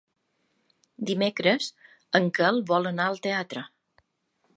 Dimecres en Quel vol anar al teatre.